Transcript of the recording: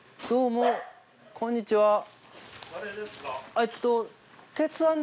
どうもこんにちは。